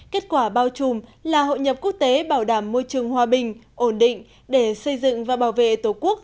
kết quả bao trùm là hội nhập quốc tế bảo đảm môi trường hòa bình ổn định để xây dựng và bảo vệ tổ quốc